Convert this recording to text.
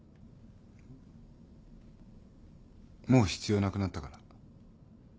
もう必要なくなったから。